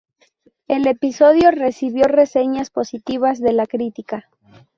El episodio recibió reseñas positivas de la crítica.